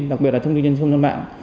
đặc biệt là thông tin nhân dân mạng